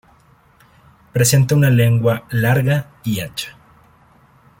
Presenta una lengua larga, y ancha.